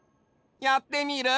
やってみる？